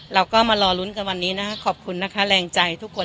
เราก็มารอลุ้นกันวันนี้ขอบคุณแลกใจทุกคน